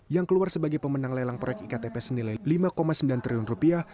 yang keluar sebagai pemenang lelang proyek iktp senilai lima sembilan triliun rupiah